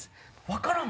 分からん